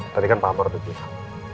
tadi kan pak amar ditunggu